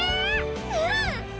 うん！